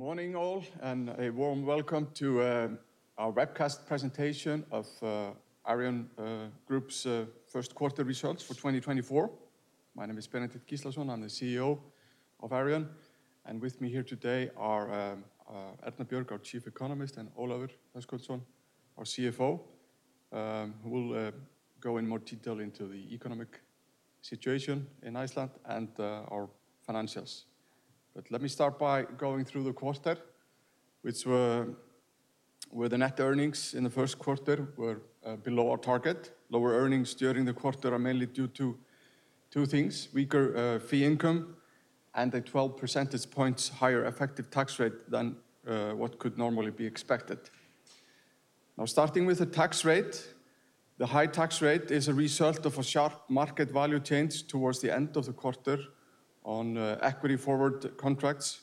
Good morning all, and a warm welcome to our webcast presentation of Arion Group's Q1 results for 2024. My name is Benedikt Gíslason, I'm the CEO of Arion, and with me here today are Erna Björg, our Chief Economist, and Ólafur Höskuldsson, our CFO, who will go in more detail into the economic situation in Iceland and our financials. But let me start by going through the quarter, which, where the net earnings in the Q1 were below our target. Lower earnings during the quarter are mainly due to two things: weaker fee income and a 12 percentage points higher effective tax rate than what could normally be expected. Now, starting with the tax rate, the high tax rate is a result of a sharp market value change towards the end of the quarter on equity-forward contracts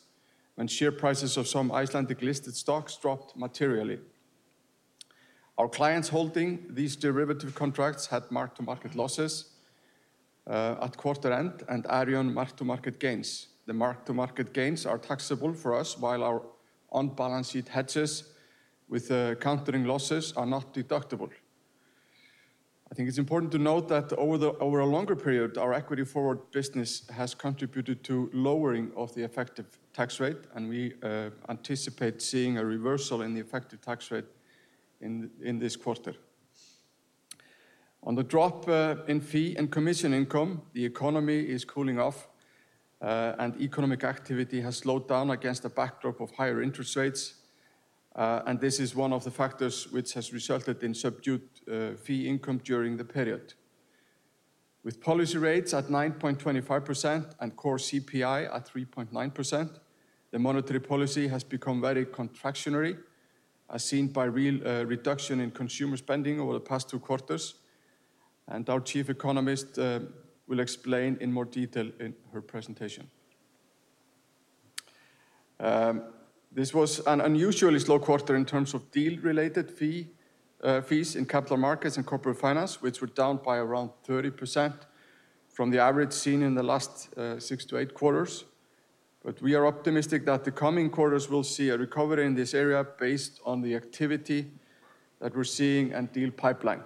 when share prices of some Icelandic listed stocks dropped materially. Our clients holding these derivative contracts had mark-to-market losses at quarter end, and Arion mark-to-market gains. The mark-to-market gains are taxable for us while our off-balance sheet hedges countering losses are not deductible. I think it's important to note that over a longer period, our equity-forward business has contributed to lowering of the effective tax rate, and we anticipate seeing a reversal in the effective tax rate in this quarter. On the drop in fee and commission income, the economy is cooling off, and economic activity has slowed down against a backdrop of higher interest rates, and this is one of the factors which has resulted in subdued fee income during the period. With policy rates at 9.25% and core CPI at 3.9%, the monetary policy has become very contractionary, as seen by real reduction in consumer spending over the past 2 quarters, and our Chief Economist will explain in more detail in her presentation. This was an unusually slow quarter in terms of deal-related fees in capital markets and corporate finance, which were down by around 30% from the average seen in the last 6-8 quarters, but we are optimistic that the coming quarters will see a recovery in this area based on the activity that we're seeing and deal pipeline.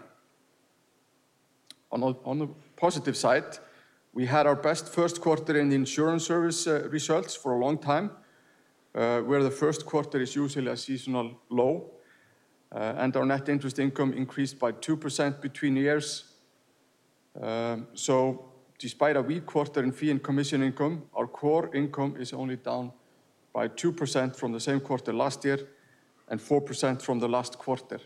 On the positive side, we had our best Q1 in the insurance service results for a long time, where the Q1 is usually a seasonal low, and our net interest income increased by 2% between years. So despite a weak quarter in fee and commission income, our core income is only down by 2% from the same quarter last year and 4% from the last quarter.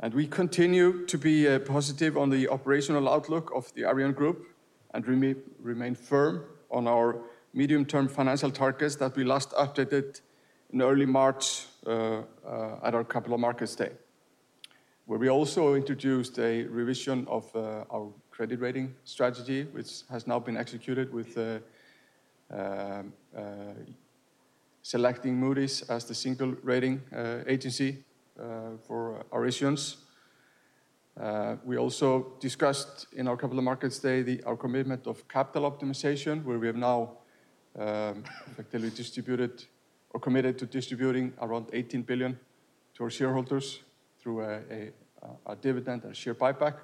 And we continue to be positive on the operational outlook of the Arion Group and remain firm on our medium-term financial targets that we last updated in early March, at our Capital Markets Day, where we also introduced a revision of our credit rating strategy, which has now been executed with selecting Moody's as the single rating agency for our issuance. We also discussed in our Capital Markets Day our commitment of capital optimization, where we have now effectively distributed or committed to distributing around 18 billion to our shareholders through a dividend and share buyback,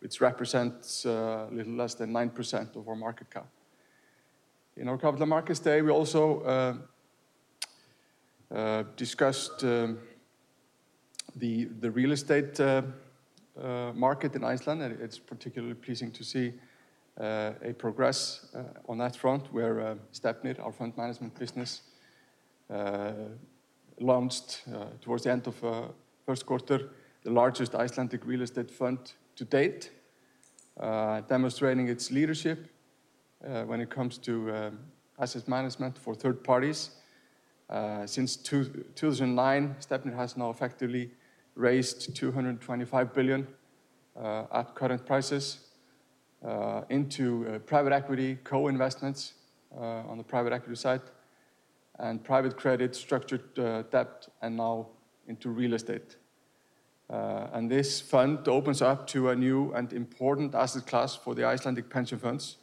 which represents a little less than 9% of our market cap. In our Capital Markets Day, we also discussed the real estate market in Iceland. It's particularly pleasing to see progress on that front where Stefnir, our fund management business, launched towards the end of Q1 the largest Icelandic real estate fund to date, demonstrating its leadership when it comes to asset management for third parties. Since 2009, Stefnir has now effectively raised 225 billion at current prices into private equity co-investments on the private equity side, and private credit structured debt. And now into real estate. And this fund opens up to a new and important asset class for the Icelandic pension funds,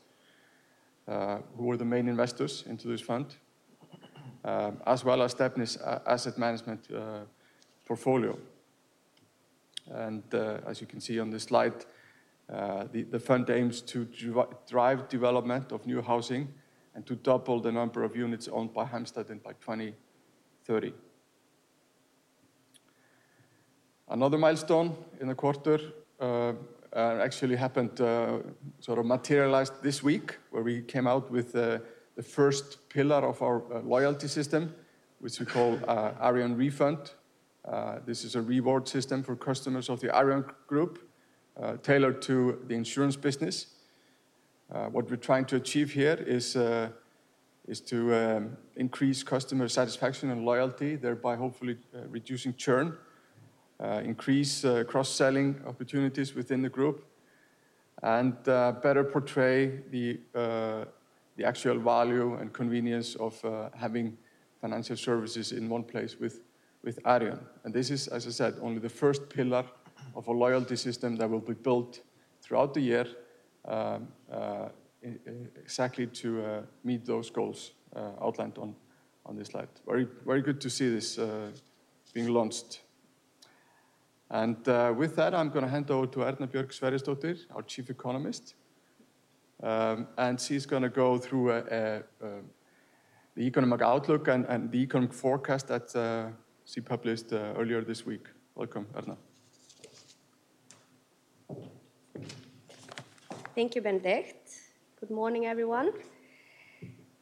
who are the main investors into this fund, as well as Stefnir's asset management portfolio. As you can see on this slide, the fund aims to drive development of new housing and to double the number of units owned by Heimstaden in by 2030. Another milestone in the quarter actually happened, sort of materialized this week, where we came out with the first pillar of our loyalty system, which we call Arion Refund. This is a reward system for customers of the Arion Group, tailored to the insurance business. What we're trying to achieve here is to increase customer satisfaction and loyalty, thereby hopefully reducing churn, increase cross-selling opportunities within the group, and better portray the actual value and convenience of having financial services in one place with Arion. And this is, as I said, only the first pillar of a loyalty system that will be built throughout the year, exactly to meet those goals outlined on this slide. Very, very good to see this being launched. With that, I'm going to hand over to Erna Björg Sverrisdóttir, our Chief Economist, and she's going to go through the economic outlook and the economic forecast that she published earlier this week. Welcome, Erna. Thank you, Benedikt. Good morning, everyone.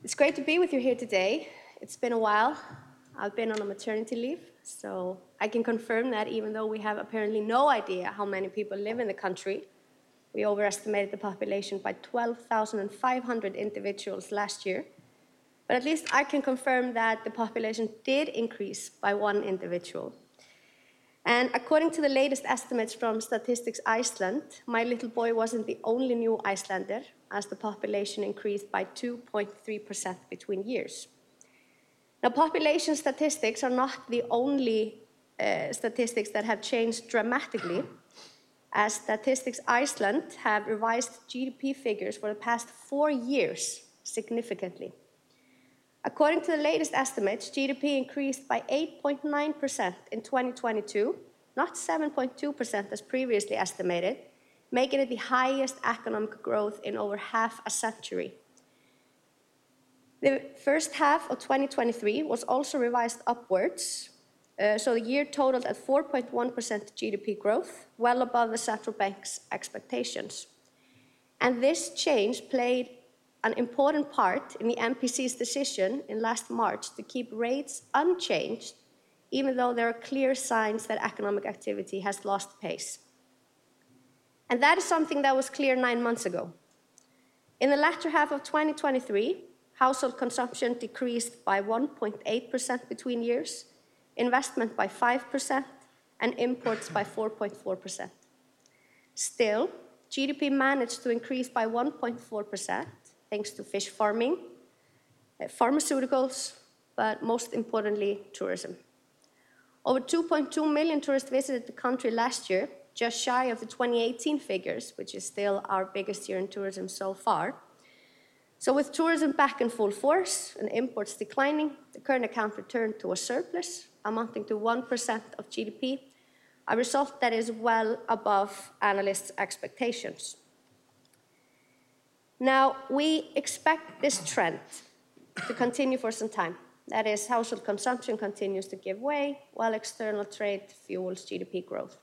It's great to be with you here today. It's been a while. I've been on maternity leave, so I can confirm that even though we have apparently no idea how many people live in the country, we overestimated the population by 12,500 individuals last year. But at least I can confirm that the population did increase by one individual. According to the latest estimates from Statistics Iceland, my little boy wasn't the only new Icelander as the population increased by 2.3% between years. Now, population statistics are not the only statistics that have changed dramatically, as Statistics Iceland have revised GDP figures for the past four years significantly. According to the latest estimates, GDP increased by 8.9% in 2022, not 7.2% as previously estimated, making it the highest economic growth in over half a century. The first half of 2023 was also revised upwards, so the year totaled at 4.1% GDP growth, well above the Central Bank's expectations. This change played an important part in the MPC's decision in last March to keep rates unchanged, even though there are clear signs that economic activity has lost pace. That is something that was clear nine months ago. In the latter half of 2023, household consumption decreased by 1.8% between years, investment by 5%, and imports by 4.4%. Still, GDP managed to increase by 1.4% thanks to fish farming, pharmaceuticals, but most importantly, tourism. Over 2.2 million tourists visited the country last year, just shy of the 2018 figures, which is still our biggest year in tourism so far. So with tourism back in full force and imports declining, the current account returned to a surplus amounting to 1% of GDP, a result that is well above analysts' expectations. Now, we expect this trend to continue for some time. That is, household consumption continues to give way while external trade fuels GDP growth.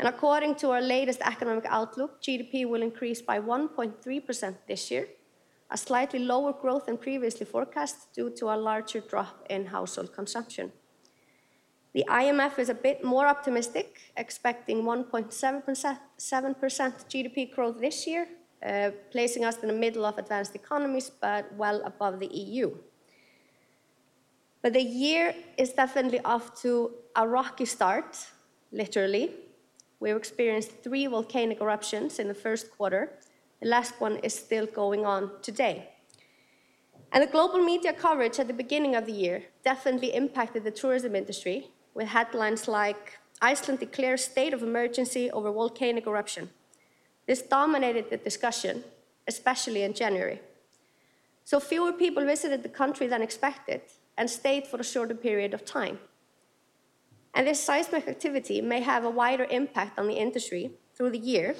And according to our latest economic outlook, GDP will increase by 1.3% this year, a slightly lower growth than previously forecast due to a larger drop in household consumption. The IMF is a bit more optimistic, expecting 1.7% GDP growth this year, placing us in the middle of advanced economies but well above the EU. But the year is definitely off to a rocky start, literally. We experienced three volcanic eruptions in the Q1. The last one is still going on today. The global media coverage at the beginning of the year definitely impacted the tourism industry with headlines like "Iceland declares state of emergency over volcanic eruption." This dominated the discussion, especially in January. Fewer people visited the country than expected and stayed for a shorter period of time. This seismic activity may have a wider impact on the industry through the year,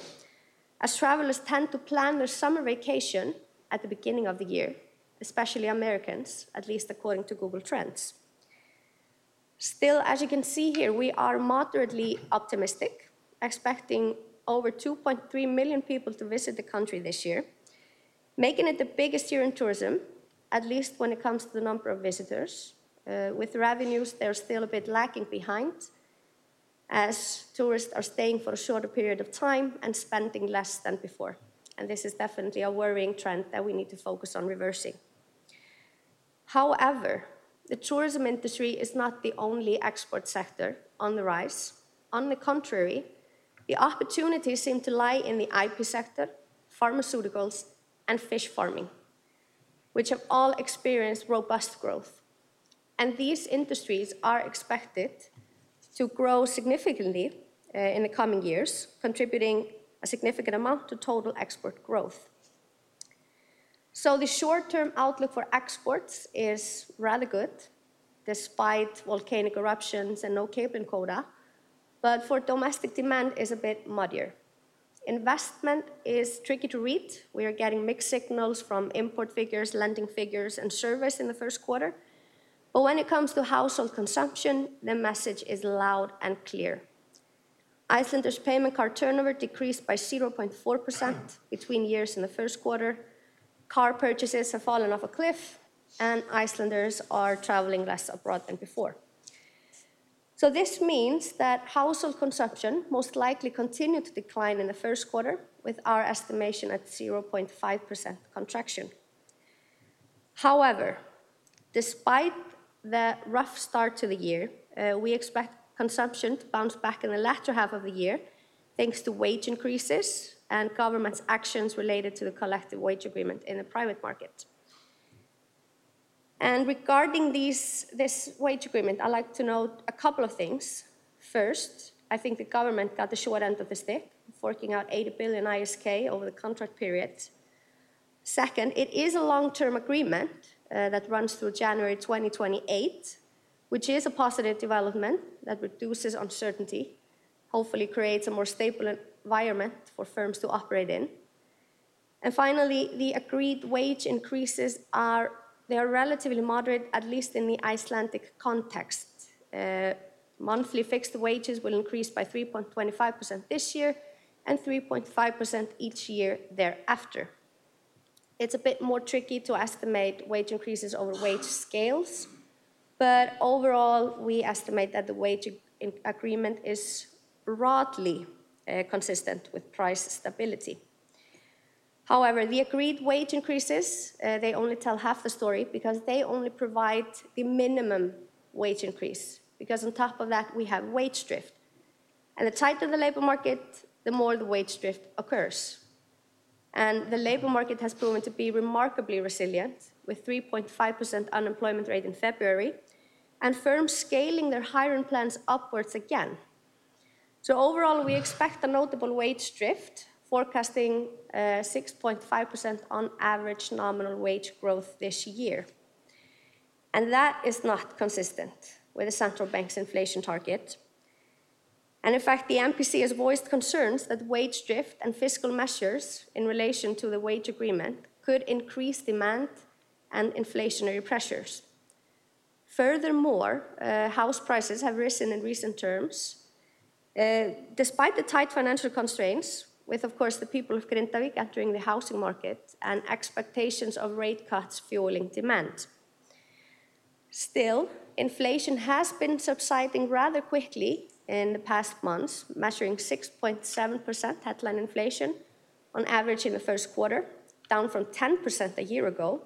as travelers tend to plan their summer vacation at the beginning of the year, especially Americans, at least according to Google Trends. Still, as you can see here, we are moderately optimistic, expecting over 2.3 million people to visit the country this year, making it the biggest year in tourism, at least when it comes to the number of visitors, with revenues, they're still a bit lacking behind, as tourists are staying for a shorter period of time and spending less than before. This is definitely a worrying trend that we need to focus on reversing. However, the tourism industry is not the only export sector on the rise. On the contrary, the opportunities seem to lie in the IP sector, pharmaceuticals, and fish farming, which have all experienced robust growth. These industries are expected to grow significantly, in the coming years, contributing a significant amount to total export growth. The short-term outlook for exports is rather good despite volcanic eruptions and no caping quota, but for domestic demand is a bit muddier. Investment is tricky to read. We are getting mixed signals from import figures, lending figures, and service in the Q1. When it comes to household consumption, the message is loud and clear. Icelanders' payment card turnover decreased by 0.4% between years in the Q1. Car purchases have fallen off a cliff, and Icelanders are traveling less abroad than before. This means that household consumption most likely continued to decline in the Q1, with our estimation at 0.5% contraction. However, despite the rough start to the year, we expect consumption to bounce back in the latter half of the year thanks to wage increases and government's actions related to the collective wage agreement in the private market. Regarding this wage agreement, I'd like to note a couple of things. First, I think the government got the short end of the stick, forking out 80 billion ISK over the contract period. Second, it is a long-term agreement that runs through January 2028, which is a positive development that reduces uncertainty, hopefully creates a more stable environment for firms to operate in. Finally, the agreed wage increases are relatively moderate, at least in the Icelandic context. Monthly fixed wages will increase by 3.25% this year and 3.5% each year thereafter. It's a bit more tricky to estimate wage increases over wage scales, but overall, we estimate that the wage agreement is broadly consistent with price stability. However, the agreed wage increases they only tell half the story because they only provide the minimum wage increase, because on top of that, we have wage drift. And the tighter the labor market, the more the wage drift occurs. And the labor market has proven to be remarkably resilient, with 3.5% unemployment rate in February and firms scaling their hiring plans upwards again. So overall, we expect a notable wage drift, forecasting 6.5% on average nominal wage growth this year. And that is not consistent with the central bank's inflation target. In fact, the MPC has voiced concerns that wage drift and fiscal measures in relation to the wage agreement could increase demand and inflationary pressures. Furthermore, house prices have risen in recent terms, despite the tight financial constraints, with, of course, the people of Grindavík entering the housing market and expectations of rate cuts fueling demand. Still, inflation has been subsiding rather quickly in the past months, measuring 6.7% headline inflation on average in the Q1, down from 10% a year ago.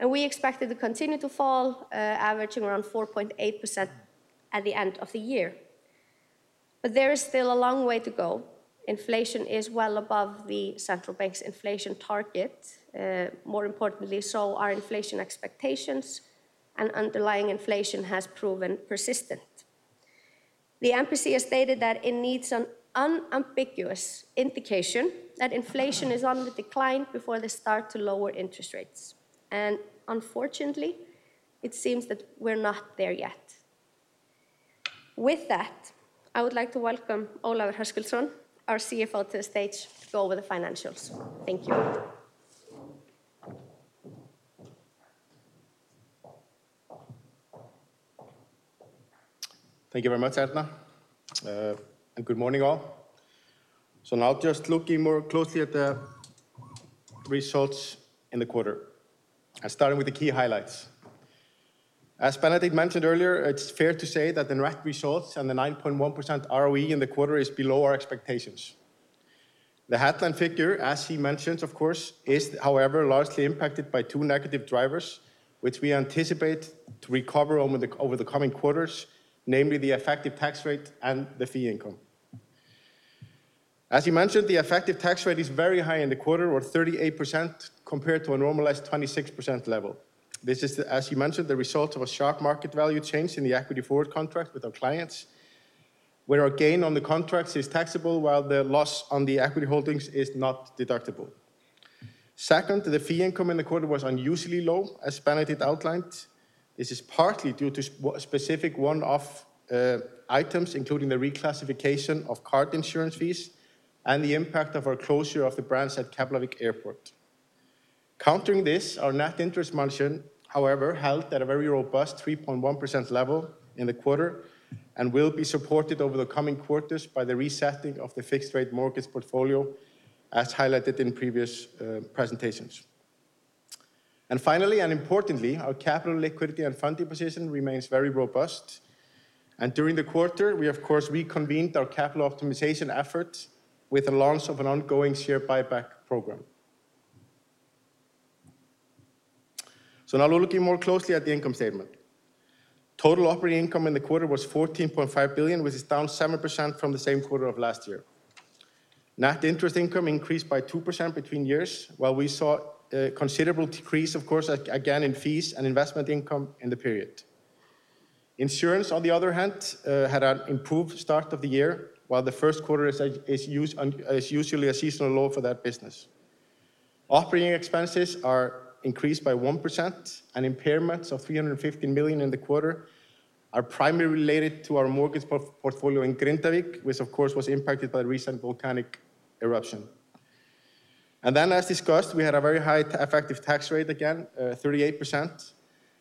We expected to continue to fall, averaging around 4.8% at the end of the year. There is still a long way to go. Inflation is well above the central bank's inflation target, more importantly, so are inflation expectations, and underlying inflation has proven persistent. The MPC has stated that it needs an unambiguous indication that inflation is on the decline before they start to lower interest rates. Unfortunately, it seems that we're not there yet. With that, I would like to welcome Ólafur Höskuldsson, our CFO, to the stage to go over the financials. Thank you. Thank you very much, Erna. And good morning, all. So now I'll just look more closely at the results in the quarter, starting with the key highlights. As Benedikt mentioned earlier, it's fair to say that the net results and the 9.1% ROE in the quarter is below our expectations. The headline figure, as he mentions, of course, is, however, largely impacted by two negative drivers, which we anticipate to recover over the coming quarters, namely the effective tax rate and the fee income. As he mentioned, the effective tax rate is very high in the quarter, or 38%, compared to a normalized 26% level. This is, as he mentioned, the result of a stock market value change in the equity forward contract with our clients, where our gain on the contracts is taxable while the loss on the equity holdings is not deductible. Second, the fee income in the quarter was unusually low, as Benedikt outlined. This is partly due to specific one-off items, including the reclassification of card insurance fees and the impact of our closure of the branch at Keflavík Airport. Countering this, our net interest margin, however, held at a very robust 3.1% level in the quarter and will be supported over the coming quarters by the resetting of the fixed rate mortgage portfolio, as highlighted in previous presentations. Finally, and importantly, our capital liquidity and funding position remains very robust. During the quarter, we, of course, reconvened our capital optimization efforts with the launch of an ongoing share buyback program. Now we're looking more closely at the income statement. Total operating income in the quarter was 14.5 billion, which is down 7% from the same quarter of last year. Net interest income increased by 2% between years, while we saw a considerable decrease, of course, again in fees and investment income in the period. Insurance, on the other hand, had an improved start of the year, while the Q1 is used as usually a seasonal low for that business. Operating expenses are increased by 1%, and impairments of 315 million in the quarter are primarily related to our mortgage portfolio in Grindavík, which, of course, was impacted by the recent volcanic eruption. And then, as discussed, we had a very high effective tax rate again, 38%.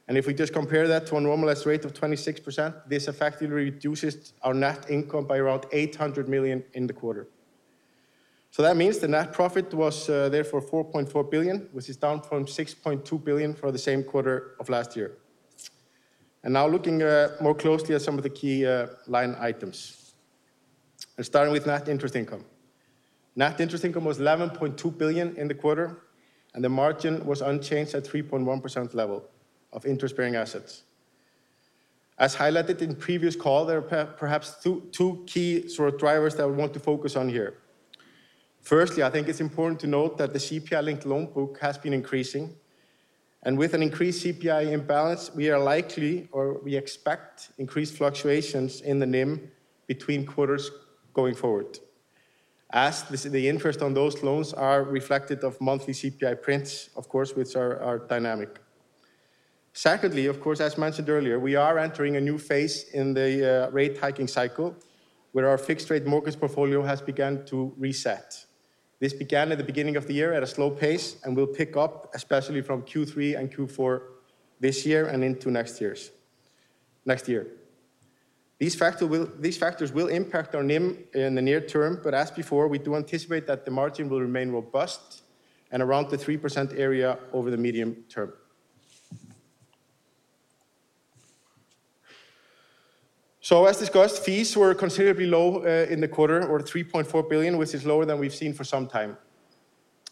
And if we just compare that to a normalized rate of 26%, this effectively reduces our net income by around 800 million in the quarter. So that means the net profit was therefore 4.4 billion, which is down from 6.2 billion for the same quarter of last year. And now looking more closely at some of the key line items, and starting with net interest income, net interest income was 11.2 billion in the quarter, and the margin was unchanged at 3.1% level of interest-bearing assets. As highlighted in the previous call, there are perhaps two key sort of drivers that we want to focus on here. Firstly, I think it's important to note that the CPI-linked loan book has been increasing, and with an increased CPI imbalance, we are likely, or we expect, increased fluctuations in the NIM between quarters going forward, as the interest on those loans are reflected in monthly CPI prints, of course, which are dynamic. Secondly, of course, as mentioned earlier, we are entering a new phase in the rate hiking cycle where our fixed rate mortgage portfolio has begun to reset. This began at the beginning of the year at a slow pace and will pick up, especially from Q3 and Q4 this year and into next year's next year. These factors will impact our NIM in the near term. But as before, we do anticipate that the margin will remain robust and around the 3% area over the medium term. So as discussed, fees were considerably low in the quarter, or 3.4 billion, which is lower than we've seen for some time.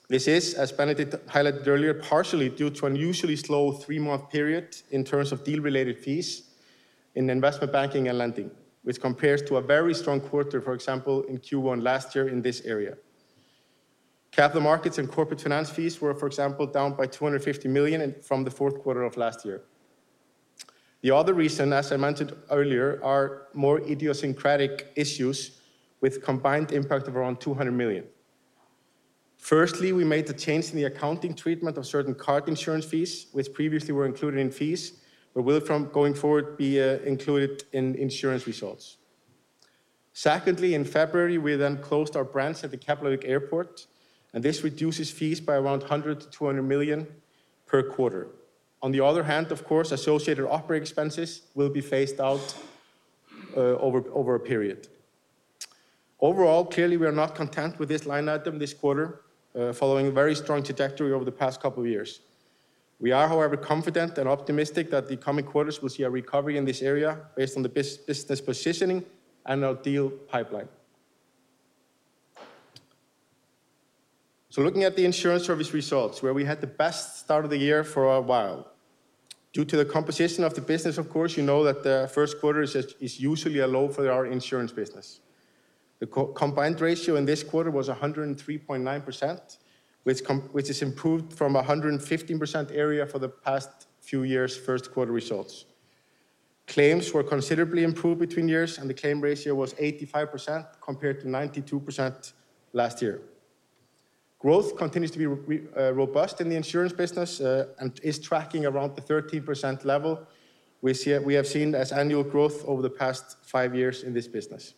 This is, as Benedikt highlighted earlier, partially due to an unusually slow three-month period in terms of deal-related fees in investment banking and lending, which compares to a very strong quarter, for example, in Q1 last year in this area. Capital markets and corporate finance fees were, for example, down by 250 million from the Q4 of last year. The other reason, as I mentioned earlier, are more idiosyncratic issues with a combined impact of around 200 million. Firstly, we made the change in the accounting treatment of certain card insurance fees, which previously were included in fees, but will going forward be included in insurance results. Secondly, in February, we then closed our branch at the Keflavík Airport, and this reduces fees by around 100 million-200 million per quarter. On the other hand, of course, associated operating expenses will be phased out over a period. Overall, clearly, we are not content with this line item this quarter, following a very strong trajectory over the past couple of years. We are, however, confident and optimistic that the coming quarters will see a recovery in this area based on the business positioning and our deal pipeline. Looking at the insurance service results, where we had the best start of the year for a while due to the composition of the business, of course, you know that the Q1 is usually a low for our insurance business. The combined ratio in this quarter was 103.9%, which is improved from a 115% area for the past few years. Q1 results. Claims were considerably improved between years, and the claim ratio was 85% compared to 92% last year. Growth continues to be robust in the insurance business and is tracking around the 13% level we have seen as annual growth over the past five years in this business.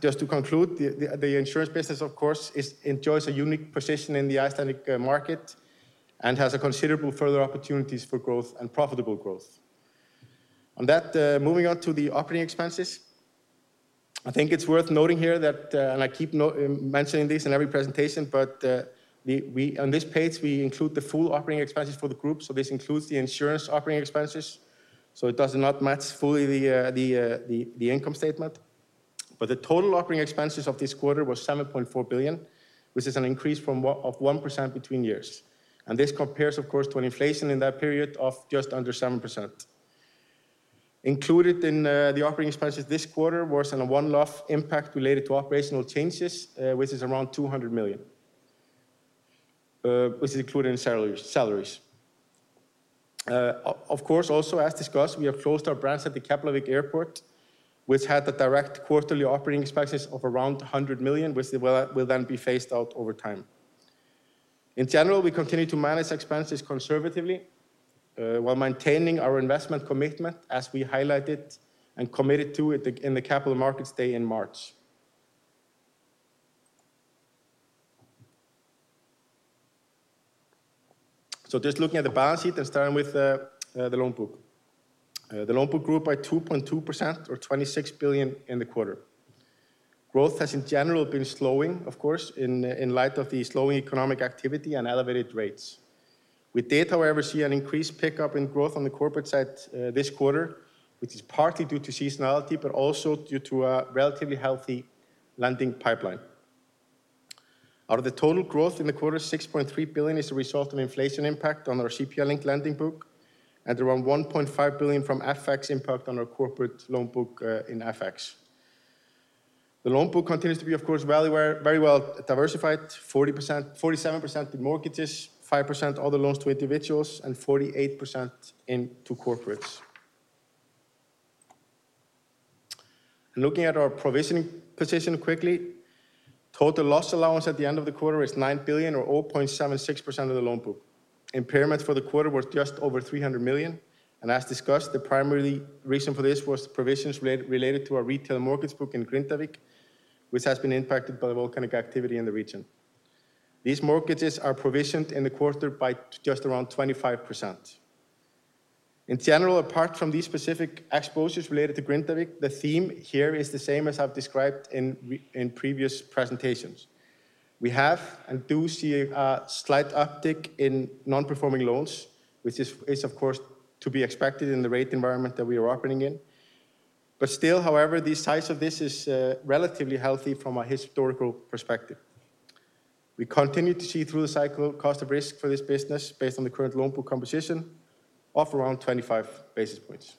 Just to conclude, the insurance business, of course, enjoys a unique position in the Icelandic market and has considerable further opportunities for growth and profitable growth. On that, moving on to the operating expenses, I think it's worth noting here that, and I keep mentioning this in every presentation, but we on this page, we include the full operating expenses for the group. So this includes the insurance operating expenses. So it does not match fully the income statement. But the total operating expenses of this quarter was 7.4 billion, which is an increase of 1% between years. And this compares, of course, to an inflation in that period of just under 7%. Included in the operating expenses this quarter was a one-off impact related to operational changes, which is around 200 million, which is included in salaries. Of course, also, as discussed, we have closed our branch at the Keflavík Airport, which had the direct quarterly operating expenses of around 100 million, which will then be phased out over time. In general, we continue to manage expenses conservatively while maintaining our investment commitment, as we highlighted and committed to it in the capital markets day in March. So just looking at the balance sheet and starting with the loan book, the loan book grew by 2.2%, or 26 billion in the quarter. Growth has, in general, been slowing, of course, in light of the slowing economic activity and elevated rates. We did, however, see an increased pickup in growth on the corporate side this quarter, which is partly due to seasonality, but also due to a relatively healthy lending pipeline. Out of the total growth in the quarter, 6.3 billion is the result of inflation impact on our CPI-linked lending book and around 1.5 billion from FX impact on our corporate loan book in FX. The loan book continues to be, of course, very well diversified: 40%, 47% in mortgages, 5% other loans to individuals, and 48% into corporates. Looking at our provisioning position quickly, total loss allowance at the end of the quarter is 9 billion, or 0.76% of the loan book. Impairments for the quarter were just over 300 million. As discussed, the primary reason for this was provisions related to our retail mortgage book in Grindavík, which has been impacted by the volcanic activity in the region. These mortgages are provisioned in the quarter by just around 25%. In general, apart from these specific exposures related to Grindavík, the theme here is the same as I've described in previous presentations. We have and do see a slight uptick in non-performing loans, which is, of course, to be expected in the rate environment that we are operating in. But still, however, the size of this is relatively healthy from a historical perspective. We continue to see through the cycle cost of risk for this business based on the current loan book composition of around 25 basis points.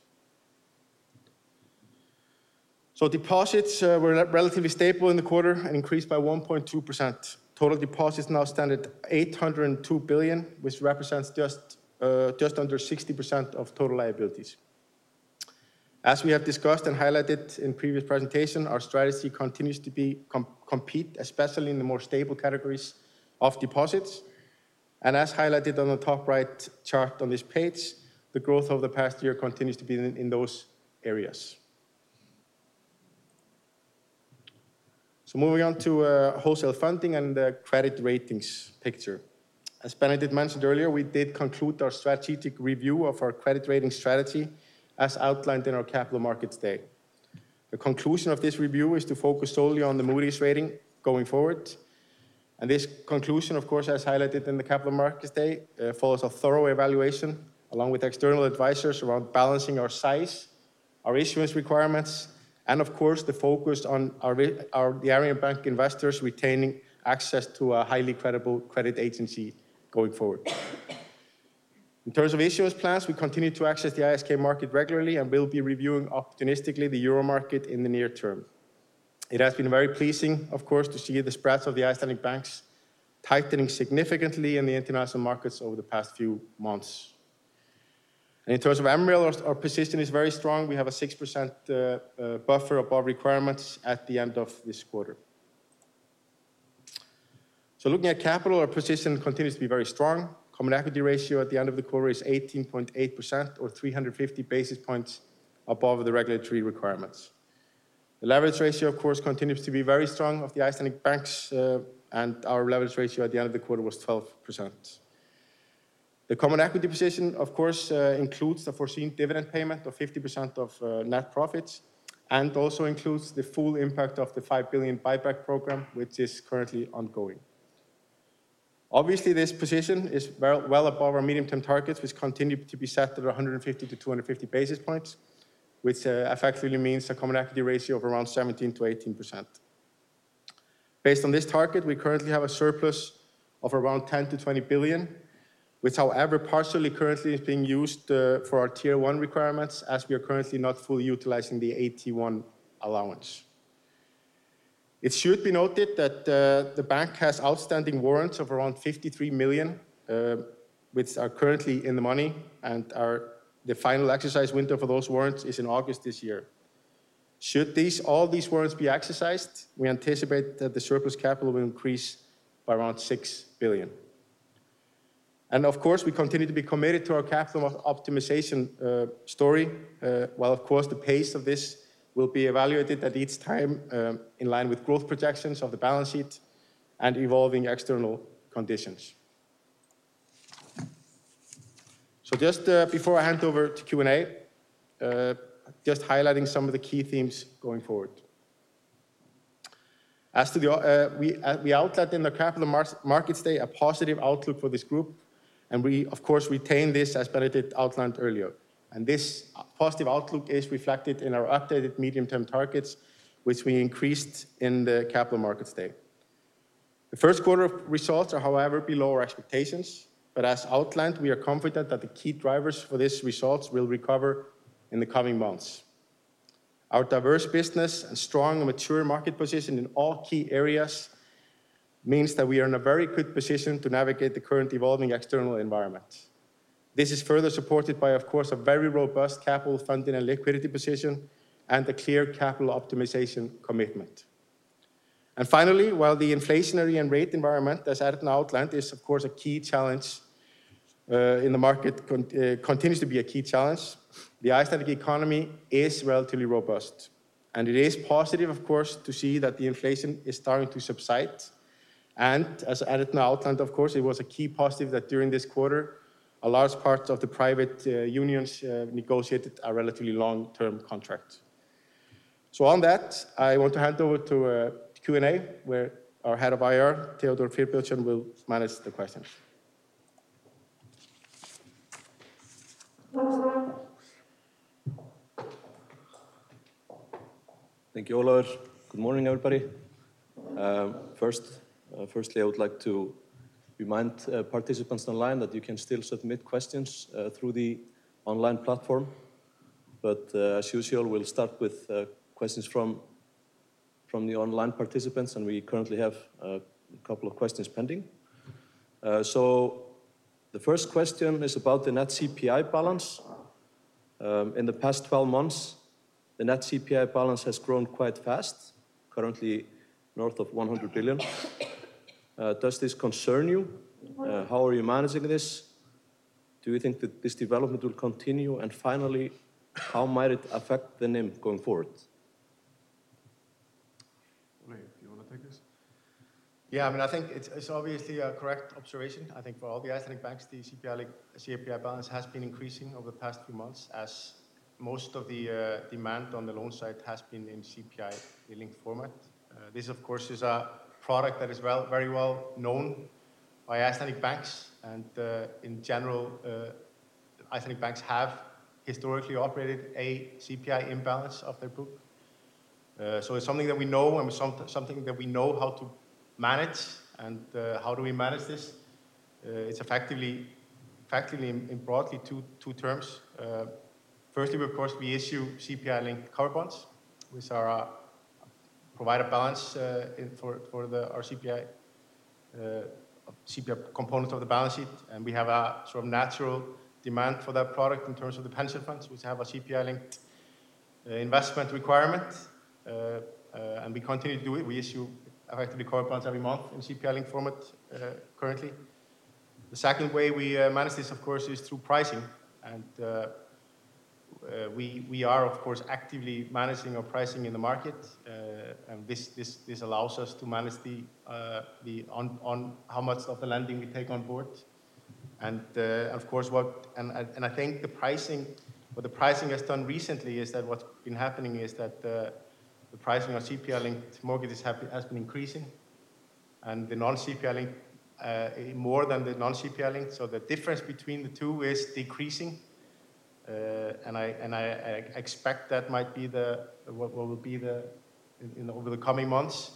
So deposits were relatively stable in the quarter and increased by 1.2%. Total deposits now stand at 802 billion, which represents just just under 60% of total liabilities. As we have discussed and highlighted in the previous presentation, our strategy continues to compete, especially in the more stable categories of deposits. And as highlighted on the top right chart on this page, the growth over the past year continues to be in those areas. So moving on to wholesale funding and the credit ratings picture. As Benedikt mentioned earlier, we did conclude our strategic review of our credit rating strategy as outlined in our Capital Markets Day. The conclusion of this review is to focus solely on the Moody's rating going forward. This conclusion, of course, as highlighted in the capital markets day, follows a thorough evaluation along with external advisors around balancing our size, our issuance requirements, and of course, the focus on our Arion Bank investors retaining access to a highly credible credit agency going forward. In terms of issuance plans, we continue to access the ISK market regularly and will be reviewing opportunistically the euro market in the near term. It has been very pleasing, of course, to see the spreads of the Icelandic banks tightening significantly in the international markets over the past few months. In terms of MREL, our position is very strong. We have a 6% buffer above requirements at the end of this quarter. Looking at capital, our position continues to be very strong. Common equity ratio at the end of the quarter is 18.8%, or 350 basis points above the regulatory requirements. The leverage ratio, of course, continues to be very strong of the Icelandic banks, and our leverage ratio at the end of the quarter was 12%. The common equity position, of course, includes the foreseen dividend payment of 50% of net profits and also includes the full impact of the 5 billion buyback program, which is currently ongoing. Obviously, this position is well above our medium-term targets, which continue to be set at 150-250 basis points, which effectively means a common equity ratio of around 17%-18%. Based on this target, we currently have a surplus of around 10 billion-20 billion, which, however, partially currently is being used for our Tier 1 requirements, as we are currently not fully utilizing the 81 allowance. It should be noted that the bank has outstanding warrants of around 53 million, which are currently in the money, and the final exercise window for those warrants is in August this year. Should all these warrants be exercised, we anticipate that the surplus capital will increase by around 6 billion. Of course, we continue to be committed to our capital optimization story, while, of course, the pace of this will be evaluated at each time in line with growth projections of the balance sheet and evolving external conditions. So just before I hand over to Q&A, just highlighting some of the key themes going forward. As to the we outlined in the capital markets day a positive outlook for this group, and we, of course, retain this as Benedikt outlined earlier. This positive outlook is reflected in our updated medium-term targets, which we increased in the capital markets day. The Q1 of results are, however, below our expectations. But as outlined, we are confident that the key drivers for these results will recover in the coming months. Our diverse business and strong and mature market position in all key areas means that we are in a very good position to navigate the current evolving external environment. This is further supported by, of course, a very robust capital funding and liquidity position and a clear capital optimization commitment. And finally, while the inflationary and rate environment, as outlined, is, of course, a key challenge in the market, continues to be a key challenge, the Icelandic economy is relatively robust, and it is positive, of course, to see that the inflation is starting to subside. As outlined, of course, it was a key positive that during this quarter, a large part of the private unions negotiated a relatively long-term contract. On that, I want to hand over to Q&A, where our head of IR, Theodór Friðbertsson, will manage the questions. Thank you, Ólafur. Good morning, everybody. Firstly, I would like to remind participants online that you can still submit questions through the online platform. But as usual, we'll start with questions from the online participants, and we currently have a couple of questions pending. So the first question is about the net CPI balance. In the past 12 months, the net CPI balance has grown quite fast, currently north of 100 billion. Does this concern you? How are you managing this? Do you think that this development will continue? And finally, how might it affect the NIM going forward? Do you want to take this? Yeah, I mean, I think it's obviously a correct observation. I think for all the Icelandic banks, the CPI balance has been increasing over the past few months as most of the demand on the loan side has been in CPI-linked format. This, of course, is a product that is very well known by Icelandic banks. And in general, Icelandic banks have historically operated a CPI imbalance of their book. So it's something that we know and something that we know how to manage. And how do we manage this? It's effectively in broadly two terms. Firstly, of course, we issue CPI-linked cover bonds, which provide a balance for our CPI component of the balance sheet. And we have a sort of natural demand for that product in terms of the pension funds, which have a CPI-linked investment requirement. And we continue to do it. We issue effectively cover bonds every month in CPI-linked format currently. The second way we manage this, of course, is through pricing. We are, of course, actively managing our pricing in the market. This allows us to manage how much of the lending we take on board. Of course, what I think the pricing has done recently is that what's been happening is that the pricing of CPI-linked mortgages has been increasing and the non-CPI-linked more than the non-CPI-linked. So the difference between the two is decreasing. I expect that might be what will be over the coming months.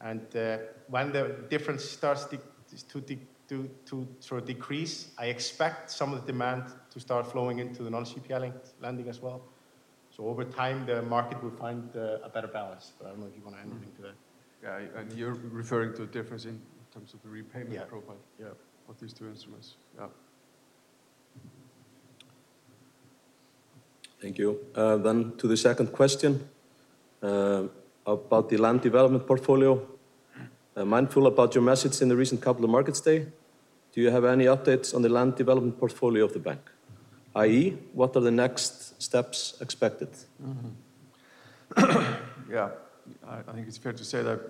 When the difference starts to sort of decrease, I expect some of the demand to start flowing into the non-CPI-linked lending as well. So over time, the market will find a better balance. But I don't know if you want to add anything to that. Yeah. And you're referring to a difference in terms of the repayment profile of these two instruments. Yeah. Thank you. Then to the second question about the land development portfolio. Mindful about your message in the recent capital markets day, do you have any updates on the land development portfolio of the bank, i.e., what are the next steps expected? Yeah. I think it's fair to say that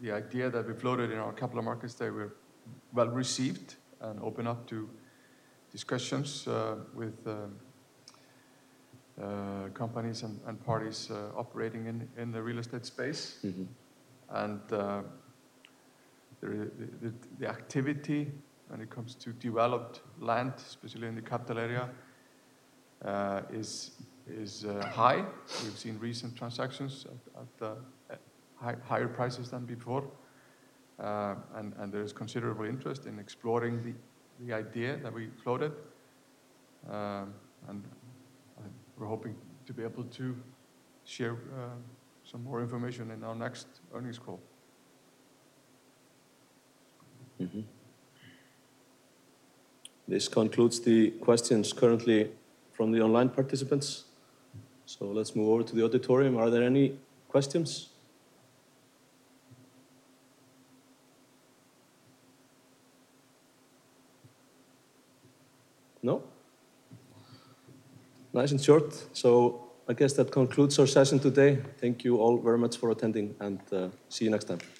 the idea that we floated in our Capital Markets Day was well received and opened up to discussions with companies and parties operating in the real estate space. The activity when it comes to developed land, especially in the capital area, is high. We've seen recent transactions at higher prices than before. There is considerable interest in exploring the idea that we floated. We're hoping to be able to share some more information in our next earnings call. This concludes the questions currently from the online participants. Let's move over to the auditorium. Are there any questions? No? Nice and short. I guess that concludes our session today. Thank you all very much for attending, and see you next time.